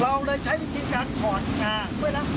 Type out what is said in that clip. เราเลยใช้วิธีการถอดขึ้นมาด้วยนะ